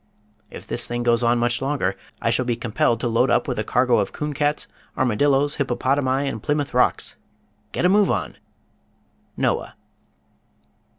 If this thing goes on much longer I shall be compelled to load up with a cargo of coon cats, armadillos, hippopotami and Plymouth rocks. Get a move on! "NOAH."